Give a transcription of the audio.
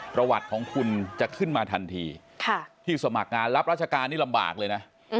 ประวัติของคุณจะขึ้นมาทันทีที่สมัครงานรับราชการนี่ลำบากเลยนะ